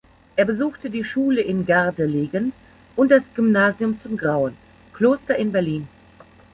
Er besuchte die Schule in Gardelegen und das Gymnasium zum Grauen Kloster in Berlin.